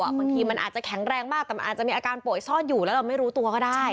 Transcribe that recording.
บางทีมันอาจจะแข็งแรงมากแต่มันอาจจะมีอาการป่วยซ่อนอยู่แล้วเราไม่รู้ตัวก็ได้